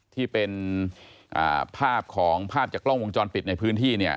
ที่เป็นภาพของภาพจากกล้องวงจรปิดในพื้นที่เนี่ย